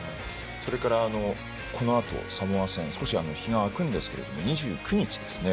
このあとサモア戦少し日が空くんですけど２９日ですね。